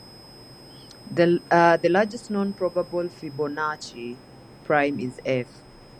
The largest known probable Fibonacci prime is "F".